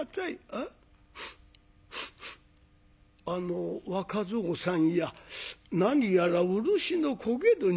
「あの若蔵さんや何やら漆の焦げるにおいが。